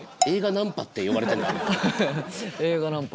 映画ナンパ。